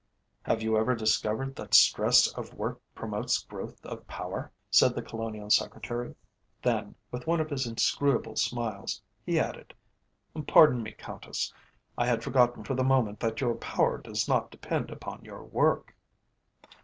"Have you ever discovered that stress of work promotes growth of power," said the Colonial Secretary. Then, with one of his inscrutable smiles, he added: "Pardon me, Countess, I had forgotten for the moment that your power does not depend upon your work!"